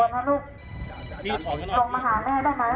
แม่ยิงไม่ปลอดภัยนะครับแม่ยิงประตูหน้าไม่ปลอดภัยนะ